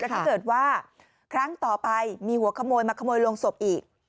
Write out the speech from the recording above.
ถ้าเกิดว่าครั้งต่อไปมีหัวขโมยมาขโมยโรงศพอีก